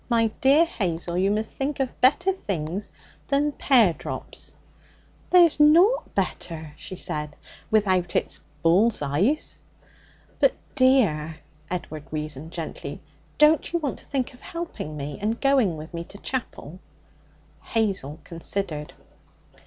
My dear Hazel, you must think of better things than pear drops!' 'There's nought better,' she said, 'without it's bull's eyes.' 'But, dear,' Edward reasoned gently, 'don't you want to think of helping me, and going with me to chapel?' Hazel considered.